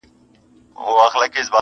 • له شهبازونو هیري نغمې دي -